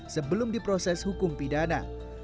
sebelum diproses hukum pidana